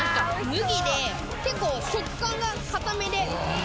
麦で結構食感が硬めでおいしい。